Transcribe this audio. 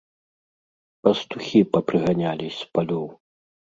Пастухi папрыганялi з палёў.